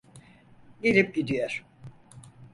Gelip gidiyor.